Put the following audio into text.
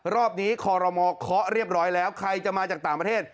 รอบนี้คอรมอเคาะเรียบร้อยแล้วใครจะมาจากต่างประเทศ